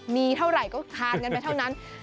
มีเท่าไหร่ก็ทานกันไปเท่านั้น